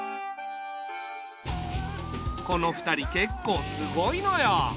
この２人けっこうすごいのよ。